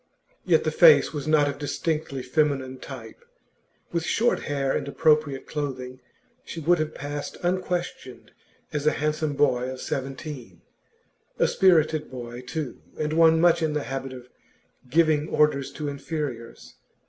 Yet the face was not of distinctly feminine type; with short hair and appropriate clothing, she would have passed unquestioned as a handsome boy of seventeen, a spirited boy too, and one much in the habit of giving orders to inferiors.